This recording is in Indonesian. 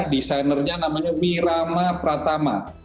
desainernya namanya wirama pratama